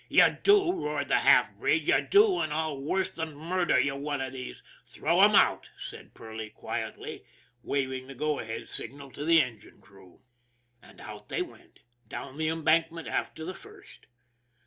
" Ye do," roared the half breed, " ye do, an' I'll worse than murdher ye one of these "' Throw 'em out !" said Perley quietly, waving the go ahead signal to the engine crew. And out they went down the embankment after the first.